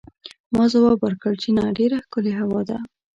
ما ځواب ورکړ چې نه، ډېره ښکلې هوا ده.